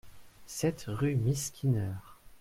sept rue Miss Skinner